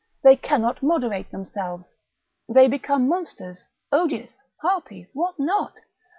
they cannot moderate themselves, they become monsters, odious, harpies, what not?